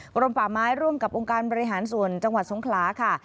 กรมป่าไม้ร่วมกับองค์การบริหารส่วนจังหวัดสงขลาค่ะ